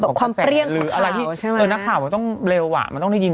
ความเปรี้ยงของข่าวใช่ไหม